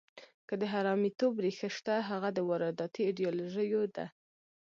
که د حرامیتوب ریښه شته، هغه د وارداتي ایډیالوژیو ده.